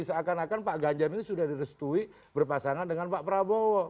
seakan akan pak ganjar ini sudah direstui berpasangan dengan pak prabowo